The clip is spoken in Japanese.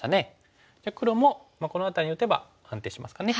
黒もこの辺りに打てば安定しますかね。